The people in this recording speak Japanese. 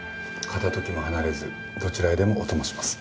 片時も離れずどちらへでもお供します。